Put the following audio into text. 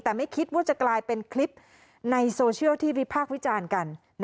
เพื่อจะกลายเป็นคลิปในโซเชียลที่วิพากษ์วิจารณ์กัน